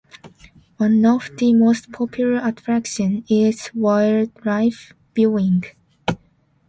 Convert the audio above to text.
One of the most popular attractions is wildlife viewing.